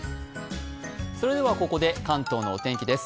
それではここで関東のお天気です。